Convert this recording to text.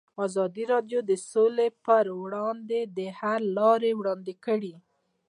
ازادي راډیو د سوله پر وړاندې د حل لارې وړاندې کړي.